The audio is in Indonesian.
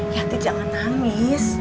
yati jangan nangis